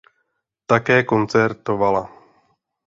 Také koncertovala.